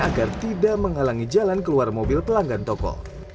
agar tidak menghalangi jalan keluar mobil pelanggan toko